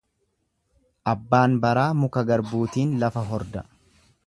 Abbaan baraa muka garbuutiin lafa horda.